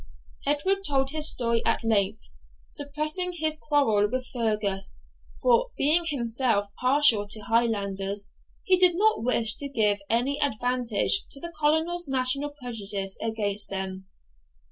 Edward told his story at length, suppressing his quarrel with Fergus; for, being himself partial to Highlanders, he did not wish to give any advantage to the Colonel's national prejudice against them.